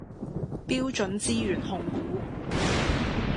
標準資源控股